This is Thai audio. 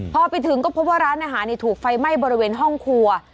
พอไปถึงก็พบว่าร้านอาหารถูกไฟไหม้บริเวณห้องครัว